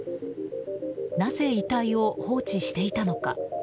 なぜ遺体を放置していたのか。